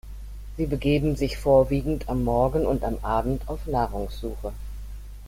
Sie begeben sich vorwiegend am Morgen und am Abend auf Nahrungssuche.